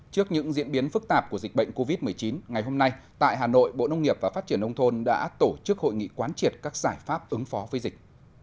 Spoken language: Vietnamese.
trước những diễn biến phức tạp của dịch bệnh covid một mươi chín ngày hôm nay tại hà nội bộ nông nghiệp và phát triển nông thôn đã tổ chức hội nghị quán triệt các giải pháp ứng phó với dịch